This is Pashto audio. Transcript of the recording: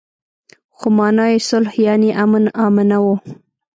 خو مانا يې صلح يانې امن آمنه وه.